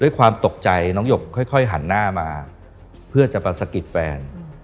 เราความตกใจน้องหยกแล้วเข้าไหลหันหน้ามาเพื่อจะมาสะกิดแฟน